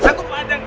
sanggup pak ajang